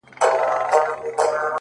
دا مه وايه چي ژوند تر مرگ ښه دی،